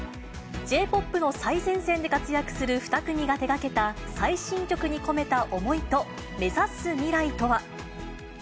ＪーＰＯＰの最前線で活躍する２組が手がけた、最新曲に込めた思いと、目指す未来とは。